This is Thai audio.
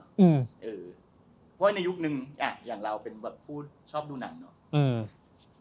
เพราะว่าในยุคนึงอย่างเราเป็นผู้ชอบดูหนังเนอะ